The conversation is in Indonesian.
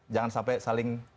jangan sampai saling